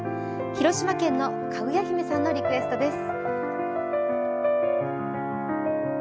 広島県のかぐや姫さんのリクエストです。